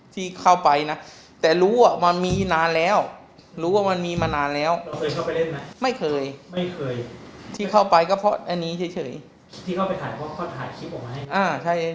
ที่เข้าไปนะแต่รู้ว่ามันมีนานแล้วรู้ว่ามันมีมานานแล้วเราเคยเข้าไปเล่นไหมไม่เคยไม่เคย